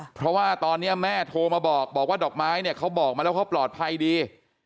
เพราะว่าตอนนี้แม่โทรมาบอกว่าดอกไม้เนี่ยเขาบอกมาแล้วเขาปลอดภัยดี